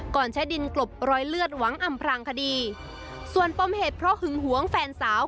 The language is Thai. ใช้ดินกลบรอยเลือดหวังอำพรางคดีส่วนปมเหตุเพราะหึงหวงแฟนสาว